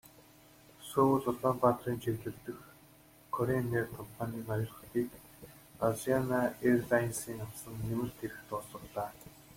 Сөүл-Улаанбаатарын чиглэл дэх Кореан эйр компанийн ноёрхлыг Азиана эйрлайнсын авсан нэмэлт эрх дуусгалаа.